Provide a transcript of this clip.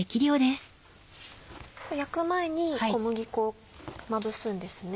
焼く前に小麦粉をまぶすんですね？